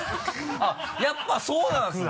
あっやっぱりそうなんですね。